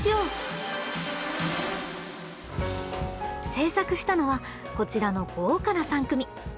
制作したのはこちらの豪華な３組！